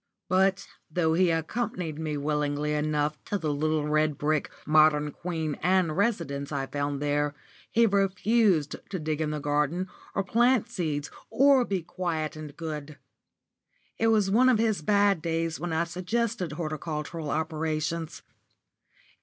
But though he accompanied me willingly enough to the little red brick, modern, 'Queen Anne' residence I found there, he refused to dig in the garden, or plant seeds, or be quiet and good. It was one of his bad days when I suggested horticultural operations.